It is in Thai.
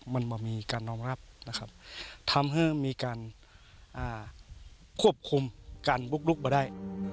มันมีการรองรับทำเพื่อมีการควบคุมการบุกรุกป่าได้